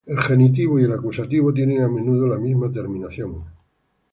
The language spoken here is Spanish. El genitivo y el acusativo tienen a menudo la misma terminación.